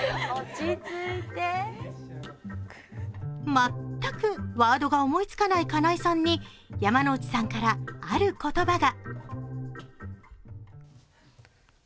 全くワードが思いつかない金井さんに山内さんからある言葉が。